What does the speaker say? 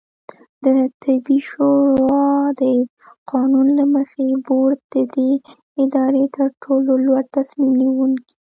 دطبي شورا د قانون له مخې، بورډ د دې ادارې ترټولو لوړتصمیم نیونکې